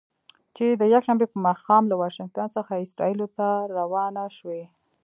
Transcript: چې د یکشنبې په ماښام له واشنګټن څخه اسرائیلو ته روانه شوې.